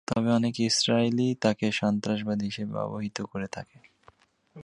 তবে অনেক ইসরাইলী তাকে সন্ত্রাসবাদী হিসাবে অভিহিত করে থাকে।